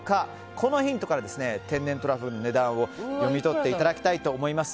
このヒントから天然トラフグの値段を読み取っていただきたいと思います。